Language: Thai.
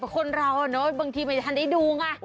คนเราเนอะบางทีไม่ทันได้ดู